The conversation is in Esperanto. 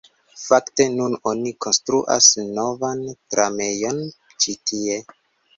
Fakte, nun oni konstruas novan tramejon ĉi tie